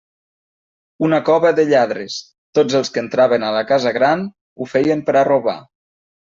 Una cova de lladres; tots els que entraven a la «casa gran» ho feien per a robar.